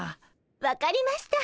分かりました。